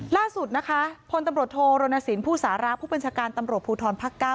ล่าสุดพลตำรวจโทรณสินผู้สารรับผู้บัญชาการตำรวจภูทรภักดิ์๙